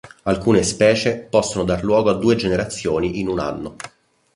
Alcune specie possono dar luogo a due generazioni in un anno.